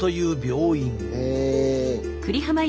へえ。